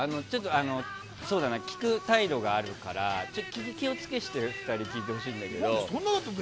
聞く態度があるから気を付けして聞いてほしいんだけど。